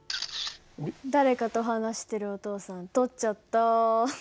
誰かと話してるお父さん撮っちゃった。